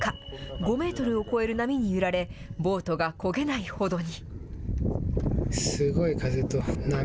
５メートルを超える波に揺られ、ボートがこげないほどに。